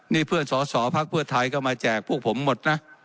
นี่เพื่อนสอสอพักเพื่อไทยก็มาแจกพวกผมหมดนะ